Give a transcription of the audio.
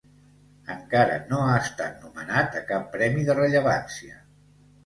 Encara no ha estat nomenat a cap premi de rellevància.